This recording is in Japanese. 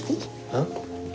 あっ？